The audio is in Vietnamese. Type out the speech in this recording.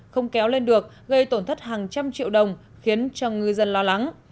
không kéo lên được gây tổn thất hàng trăm triệu đồng khiến cho ngư dân lo lắng